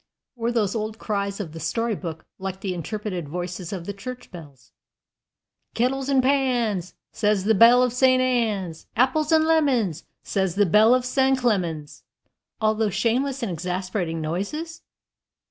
Were those old cries of the story book, like the interpreted voices of the church bells "Kettles and pans, Says the bell of St. Ann's; Apples and lemons, Says the bell of St. Clement's," altogether shameless and exasperating noises?